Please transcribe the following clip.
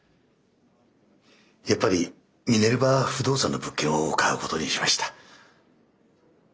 やっぱりミネルヴァ不動産の物件を買うことにしました。